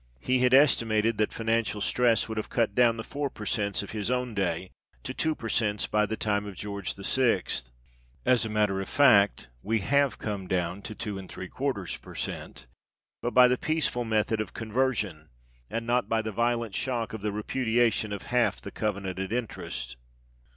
He had estimated that financial stress would have cut down the 4 per cents of his own day to 2 per cents by the time of George VI. As a matter of fact, we have come down to 2| per cent., but by the peaceful method of Conversion, and not by the violent shock of the repudiation of half the covenanted interest.